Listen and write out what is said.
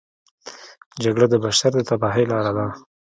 جګړه د بشر د تباهۍ لاره ده